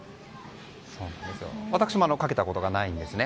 私もかけたことがないんです。